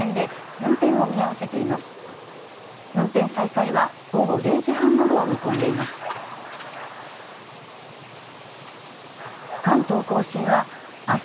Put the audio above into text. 運転再開は午後０時半ごろを見込んでいます。